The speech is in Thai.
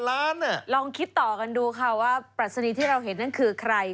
ลองคิดต่อกันดูค่ะว่าปรัชนีที่เราเห็นนั่นคือใคร